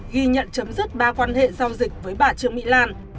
ghi nhận chấm dứt ba quan hệ giao dịch với bà trương mỹ lan